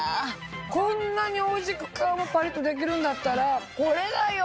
こんなにおいしく皮がパリっとできるんだったらこれだよ！